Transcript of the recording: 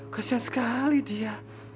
kasian sekali dia